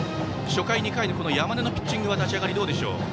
初回、２回の山根のピッチングは立ち上がり、どうでしょう？